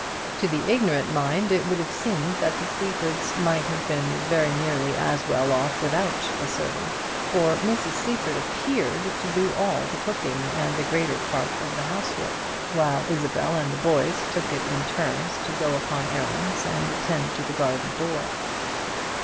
To the ignorant mind it would have seemed that the Sleafords might have been very nearly as well off without a servant; for Mrs. Sleaford appeared to do all the cooking and the greater part of the house work, while Isabel and the boys took it in turns to go upon errands and attend to the garden door.